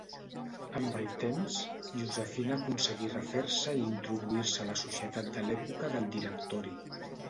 Amb el temps, Josefina aconseguí refer-se i introduir-se a la societat de l'època del Directori.